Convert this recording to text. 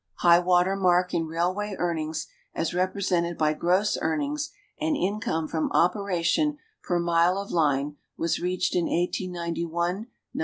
High water mark in railway earnings, as represented by gross earnings and income from operation per mile of line, was readied in 185)1 92.